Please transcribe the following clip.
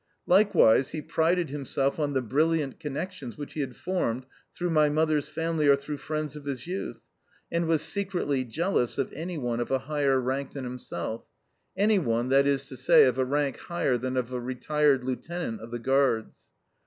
Likewise he prided himself on the brilliant connections which he had formed through my mother's family or through friends of his youth, and was secretly jealous of any one of a higher rank than himself any one, that is to say, of a rank higher than a retired lieutenant of the Guards.